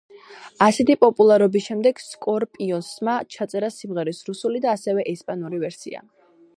ასეთი პოპულარობის შემდეგ სკორპიონსმა ჩაწერა სიმღერის რუსული და ასევე ესპანური ვერსია.